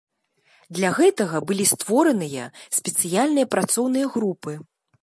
Для гэтага былі створаныя спецыяльныя працоўныя групы.